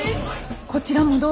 こちらもどうぞ。